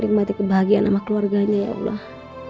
nikmati kebahagiaan sama keluarganya ya allah